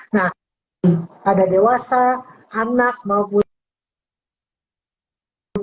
nah pada dewasa anak maupun